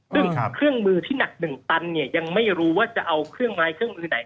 ซึ่งเครื่องมือที่หนัก๑ตันเนี่ยยังไม่รู้ว่าจะเอาเครื่องไม้เครื่องมือไหน